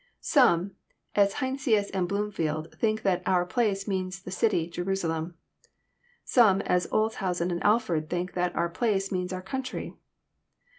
Some, as Heinsius and Bloomfleld, think that *' Our place means the chy, Jerusalem. Some, as 01t»hansen and Alford, think that '< our place" means "our country.